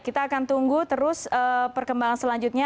kita akan tunggu terus perkembangan selanjutnya